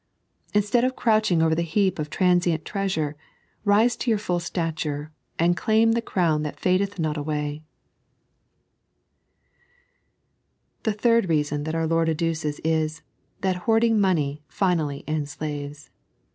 Instead of crouching over the heap of transient treasure, rise to your full stature, and claim the crown that fadeth not away] The third reason that our Lord adduces is, that hoarding money fiaaUy emlaioea.